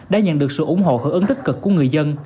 đã nhận được sự ủng hộ hưởng ứng tích cực của người dân